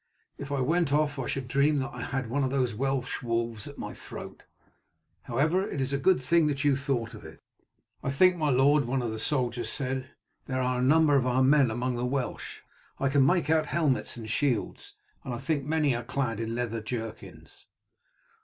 If I went off I should dream that I had one of those Welsh wolves at my throat. However, it is a good thing that you thought of it." "I think, my lord," one of the soldiers said, "there are a number of our men among the Welsh. I can make out helmets and shields, and I think many are clad in leather jerkins."